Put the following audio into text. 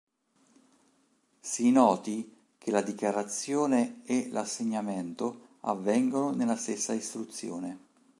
Si noti che la dichiarazione e l'assegnamento avvengono nella stessa istruzione.